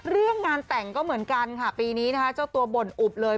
เรื่องงานแต่งก็เหมือนกันค่ะปีนี้นะคะเจ้าตัวบ่นอุบเลย